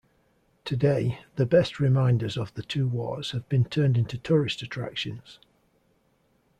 Today, the best reminders of the two wars have been turned into tourist attractions.